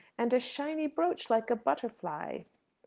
and a "shiny brooch like a butterfly."